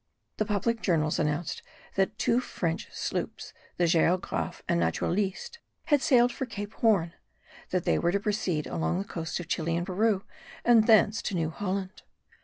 The public journals announced that two French sloops, the Geographe and Naturaliste, had sailed for Cape Horn; that they were to proceed along the coasts of Chili and Peru, and thence to New Holland.